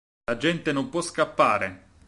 La gente non può scappare!